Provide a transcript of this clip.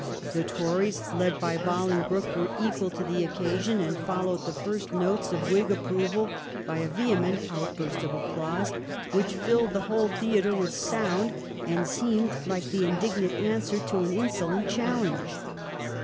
The Tories, led by BoHngbroke, were equal to the occa sion, and followed the first notes of Whig approval by a vehement outburst of applause, which filled the whole theatre with sound, and seemed like the indignant answer to an insolent challenge.